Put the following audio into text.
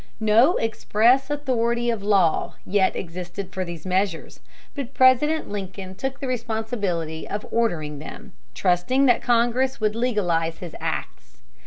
No express authority of law yet existed for these measures; but President Lincoln took the responsibility of ordering them, trusting that Congress would legalize his acts.